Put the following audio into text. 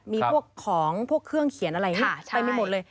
มีพวกของพวกเครื่องเขียนอะไรไปไม่หมดเลย